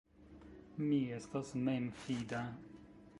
Mi estas memfida.